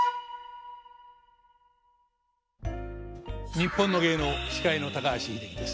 「にっぽんの芸能」司会の高橋英樹です。